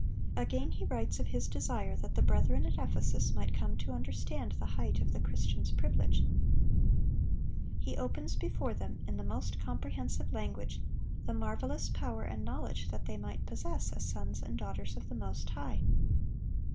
(822) Again he writes of his desire that the brethren at Ephesus might come to understand the height of the Christian's privilege. He opens before them, in the most comprehensive language, the marvelous power and knowledge that they might possess as sons and daughters of the Most High.